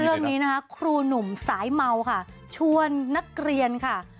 เรื่องนี้นะคะครูหนุ่มสายเมาค่ะชวนนักเรียนค่ะ